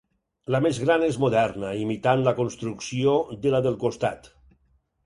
La més gran és moderna, imitant la construcció de la del costat.